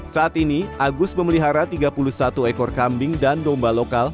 saat ini agus memelihara tiga puluh satu ekor kambing dan domba lokal